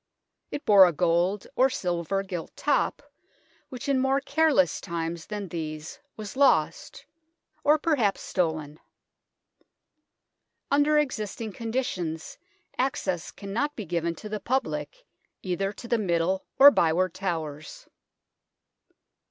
It bore a gold or silver gilt top, which in more careless times than these was lost or perhaps stolen. Under existing conditions, access cannot be given to the public either to the Middle or Byward Towers.